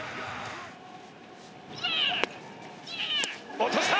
落とした！